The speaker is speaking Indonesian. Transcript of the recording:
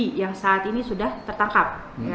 kondisi yang saat ini sudah tertangkap